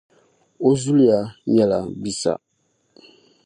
O zuliya nyɛla Bissa.